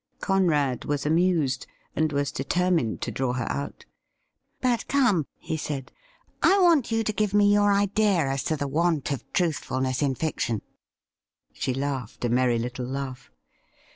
Conrad was amused, and was determined to draw her out. ' But come,' he said ;' I want you to give me your idea as to the want of truthfulness in fiction.' She laughed a merry little laugh.